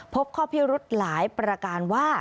พบข้อพิรุธหลายประการว่า